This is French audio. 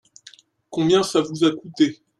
Combien ça vous a coûté ?